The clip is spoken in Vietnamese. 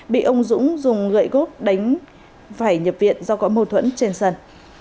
bị ông dũng dùng gậy góp đánh vải nhập viện do có mâu thuẫn trên sân